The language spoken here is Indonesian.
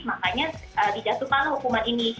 makanya di jatuhkan hukuman ini